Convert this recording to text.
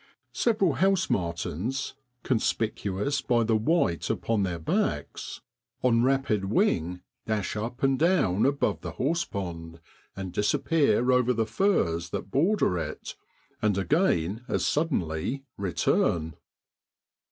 Several house martins, conspicuous by the white upon their backs, on APRIL I7V BROADLAND. 37 rapid wing dash up and down above the horse pond, and disappear over the firs that border it, and again as suddenly return.